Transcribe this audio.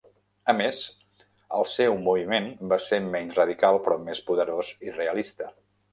A més, el seu moviment va ser menys radical però més poderós i realista.